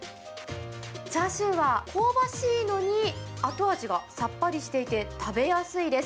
チャーシューは香ばしいのに、後味はさっぱりしていて、食べやすいです。